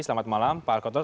selamat malam pak alkotot